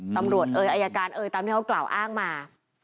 ตำรวจเอ๋ยอัยการเอ๋ยตามที่เขากล่าวอ้างมา